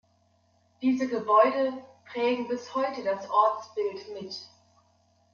Diese Gebäude prägen bis heute das Ortsbild mit.